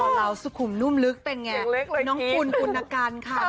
หล่อเหล่าสุขุมนุ่มลึกเป็นไงอย่างเล็กเลยน้องคุณคุณกันค่ะ